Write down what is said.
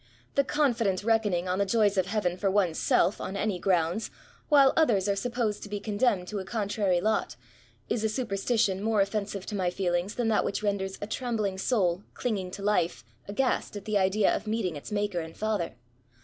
The confident reckon ing on the joys of heaven for one's self, on any grounds, while others are supposed to be con demned to a contrary lot, is a superstition more offensive to my feelings than that which renders a trembling soul, clinging to life, aghast at the idea of meeting its Maker and Father.